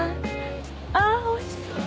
あっおいしそう。